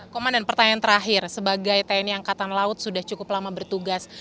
komandan pertanyaan terakhir sebagai tni angkatan laut sudah cukup lama bertugas